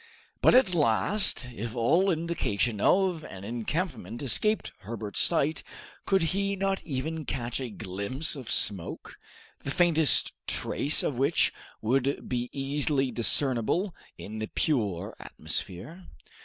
But at last, if all indication of an encampment escaped Herbert's sight could he not even catch a glimpse of smoke, the faintest trace of which would be easily discernible in the pure atmosphere?